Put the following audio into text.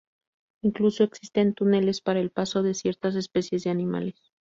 Incluso existen túneles para el paso de ciertas especies de animales.